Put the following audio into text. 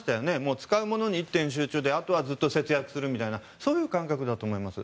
使うものに一点集中であとはずっと節約するみたいなそういう感覚だと思います。